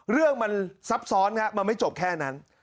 เรื่องมันซับซ้อนมันไม่จบแค่นั้น